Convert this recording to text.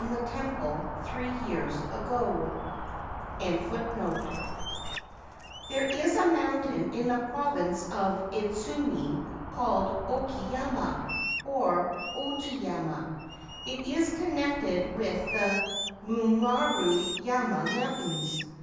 258 XLI THE SPIRIT OF YENOKI1 THERE is a mountain in the province of Idsumi called Oki yama (or Oji Yam a) ; it is connected with the Mumaru Yama mountains.